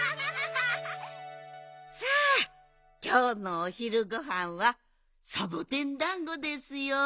さあきょうのおひるごはんはサボテンだんごですよ。